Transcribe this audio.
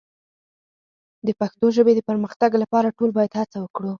د پښتو ژبې د پرمختګ لپاره ټول باید هڅه وکړو.